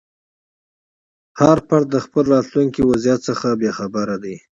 هر فرد د خپل راتلونکي وضعیت څخه بې خبره دی.